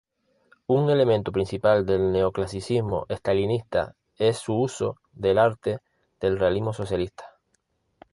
Un elemento principal del neoclasicismo estalinista es su uso del arte del realismo socialista.